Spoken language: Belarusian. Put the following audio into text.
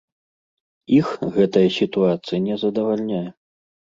Іх гэтая сітуацыя не задавальняе.